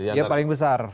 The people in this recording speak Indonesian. dia paling besar